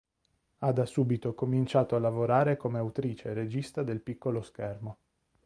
Ha da subito cominciato a lavorare come autrice e regista del piccolo schermo.